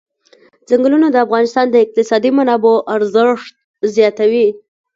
ځنګلونه د افغانستان د اقتصادي منابعو ارزښت زیاتوي.